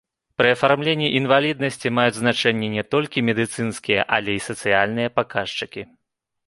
Пры афармленні інваліднасці маюць значэнне не толькі медыцынскія, але і сацыяльныя паказчыкі.